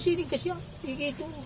iya tinggal sendiri di sini